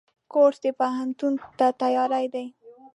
کورس د پوهنتون ته تیاری دی.